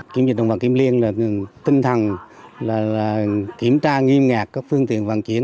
kiểm dịch động vật kiểm liên là tinh thần kiểm tra nghiêm ngạc các phương tiện vận chuyển